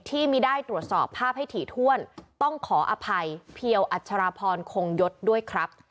ที่ไม่ได้ตรวจสอบภาพให้ถี่ถ้วนต้องขออภัยเพียวอัชราพรคงยศด้วยครับ